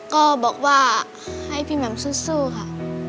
ก็บอกว่าให้พี่แหม่มสู้ค่ะ